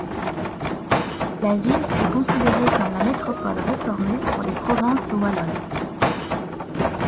La ville est considérée comme la métropole réformée pour les provinces wallonnes.